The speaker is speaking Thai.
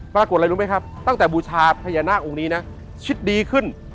อะไรรู้ไหมครับตั้งแต่บูชาพญานาคองค์นี้นะชิดดีขึ้น